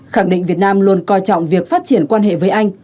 khẳng định việt nam luôn coi trọng việc phát triển quan hệ với anh